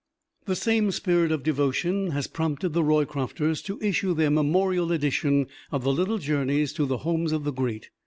The same spirit of devotion has prompted The Roycrofters to issue their Memorial Edition of the "Little Journeys to the Homes of the Great."